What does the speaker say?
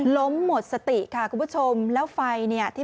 ล้มหมดสติแล้วไฟนี้